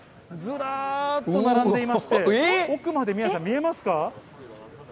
ずらーっと並んでいまして、奥まで、宮根さん、見えますか？